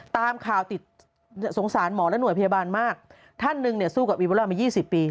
ตามข่าวติดสงสารหมอและห่วยพยาบาลมากท่านหนึ่งเนี่ยสู้กับวีโบราณมายี่สิบปี